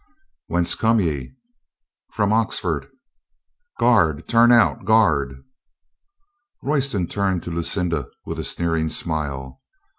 "Whence come ye?" "From Oxford." "Guard! Turn out, guard!" Royston turned to Lucinda with a sneering smile.